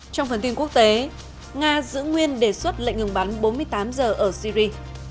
trong phần tin quốc tế nga giữ nguyên đề xuất lệnh ngừng bắn bốn mươi tám giờ ở syri